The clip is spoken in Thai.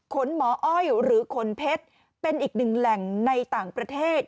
หมออ้อยหรือขนเพชรเป็นอีกหนึ่งแหล่งในต่างประเทศ